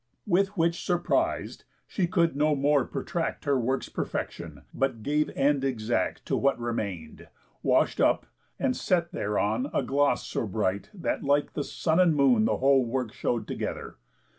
With which surpriz'd, she could no more protract Her work's perfection, but gave end exact To what remain'd, wash'd up, and set thereon A gloss so bright that like the sun and moon The whole work show'd together.